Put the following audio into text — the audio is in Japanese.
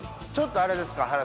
ちょっとあれですか？